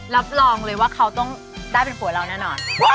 รับรองเลยว่าเขาต้องได้เป็นผัวเราแน่นอน